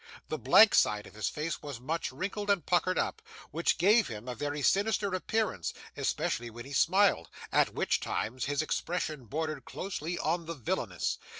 The blank side of his face was much wrinkled and puckered up, which gave him a very sinister appearance, especially when he smiled, at which times his expression bordered closely on the villainous.